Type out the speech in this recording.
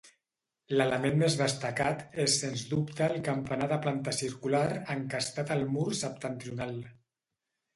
L'element més destacat és sens dubte el campanar de planta circular encastat al mur septentrional.